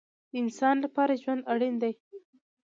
د انسان لپاره ژوند اړین دی